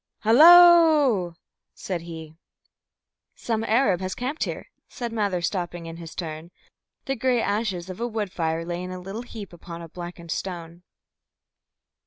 "Hallo!" said he. "Some Arab has camped here," said Mather, stopping in his turn. The grey ashes of a wood fire lay in a little heap upon a blackened stone.